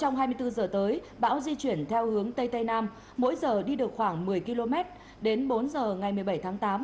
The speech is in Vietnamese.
gió di chuyển theo hướng tây tây nam mỗi giờ đi được khoảng một mươi km đến bốn giờ ngày một mươi bảy tháng tám